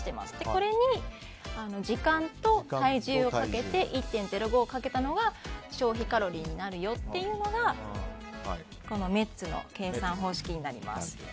これに時間と体重をかけて１．０５をかけたのが消費カロリーになるよというのがこのメッツの計算方式です。